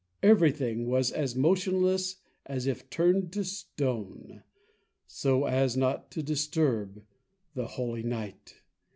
Everything was as motionless as if turned to stone, so as not to disturb the holy night.